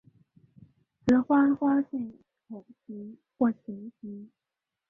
雌花花被筒形或球形。